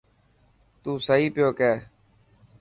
تون صحيح پيو ڪيهه.